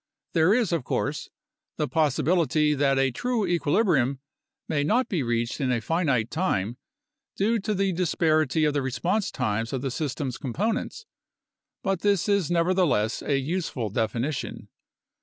There is, of course, the possibility that a true equilibrium may not be reached in a finite time due to the disparity of the response times of the system's components, but this is neverthe less a useful definition.